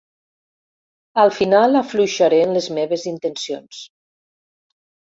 Al final afluixaré en les meves intencions.